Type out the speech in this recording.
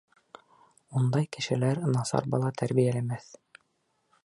Ундай кешеләр насар бала тәрбиәләмәҫ.